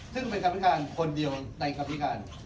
ซึ่งเป็นคำพิการคนเดียวในกรรมธิการ